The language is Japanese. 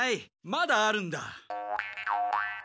まだあるんだ。